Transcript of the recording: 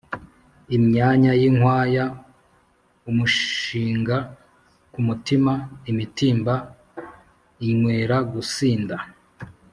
imyama y'inkwaya imushinga ku mutima, imitimba inywera gusinda,